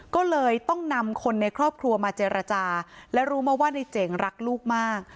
ก็เลยต้องนำคนในครอบครัวมาเจรจาและรู้มาว่าในเจ๋งรักลูกมาก